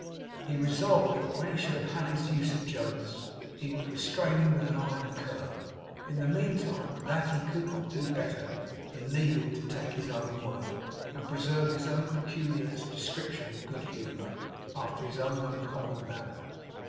He resolved that when he should have had his use of Jonas, he would restrain him with an iron curb; in the meantime, that he could not do better than leave him to take his own way, and preserve his own peculiar description of good humour, after his own uncommon manner.